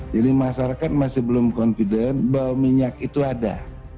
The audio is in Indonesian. jadi masyarakat masih belum confident bahwa minyak itu ada